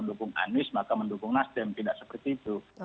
mendukung anies maka mendukung nasdem tidak seperti itu